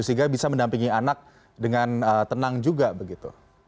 sehingga bisa mendampingi anak dengan tenang juga begitu